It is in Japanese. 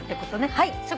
はい。